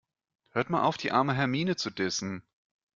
Hört mal auf, die arme Hermine zu dissen.